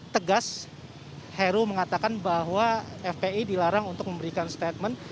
tegas heru mengatakan bahwa fpi dilarang untuk memberikan statement